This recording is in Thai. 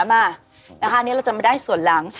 มานะคะอันนี้เราจะมาได้ส่วนหลัง